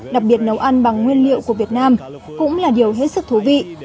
đặc biệt nấu ăn bằng nguyên liệu của việt nam cũng là điều hết sức thú vị